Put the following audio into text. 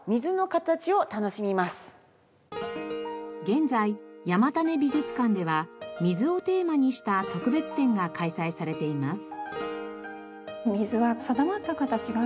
現在山種美術館では水をテーマにした特別展が開催されています。